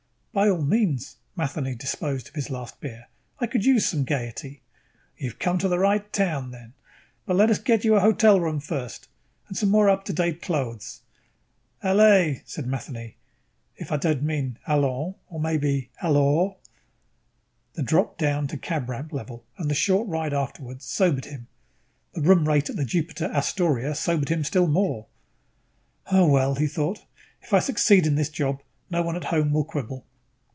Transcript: "By all means." Matheny disposed of his last beer. "I could use some gaiety." "You have come to the right town then. But let us get you a hotel room first and some more up to date clothes." "Allez," said Matheny. "If I don't mean allons, or maybe alors." The drop down to cab ramp level and the short ride afterward sobered him; the room rate at the Jupiter Astoria sobered him still more. Oh, well, he thought, _if I succeed in this job, no one at home will quibble.